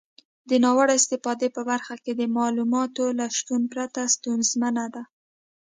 د ناوړه استفادې په برخه کې د معلوماتو له شتون پرته ستونزمنه ده.